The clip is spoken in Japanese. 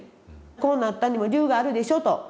「こうなったにも理由があるでしょ」と。